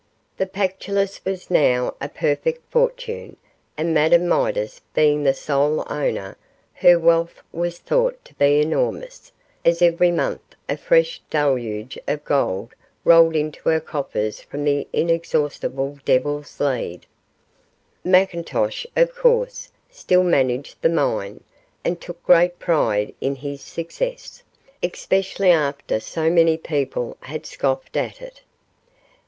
The Pactolus was now a perfect fortune, and Madame Midas being the sole owner, her wealth was thought to be enormous, as every month a fresh deluge of gold rolled into her coffers from the inexhaustible Devil's Lead. McIntosh, of course, still managed the mine, and took great pride in his success, especially after so many people had scoffed at it.